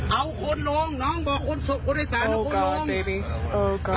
เอาคนลุงน้องบอกคนสุขคนไอ้สารของคุณลุง